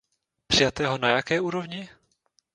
Přijatého na jaké úrovni?